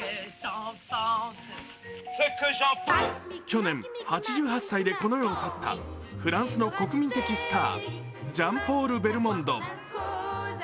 去年、８８歳でこの世を去ったフランスの国民的スタージャン＝ポール・ベルモンド。